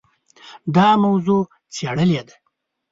دا موضوع څېړلې ده.